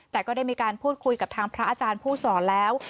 แต่ก็ได้มีการพูดคุยกับทางพระอาจารย์ผู้สอนแล้ว